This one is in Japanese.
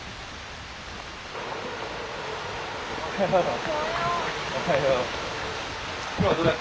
おはよう。